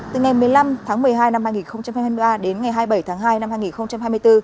từ ngày một mươi năm tháng một mươi hai năm hai nghìn hai mươi ba đến ngày hai mươi bảy tháng hai năm hai nghìn hai mươi bốn